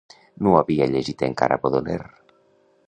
No havia llegit encara Baudelaire.